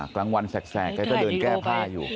กลางวันแสกแกก็เดินแก้ผ้าอยู่